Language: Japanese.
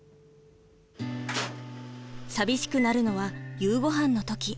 寂しくなるのは夕ごはんの時。